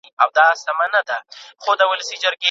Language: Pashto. پېښور، ملتان او کشمیر زموږ تاریخ دی.